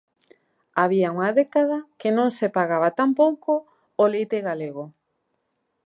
Había unha década que non se pagaba tan pouco o leite galego.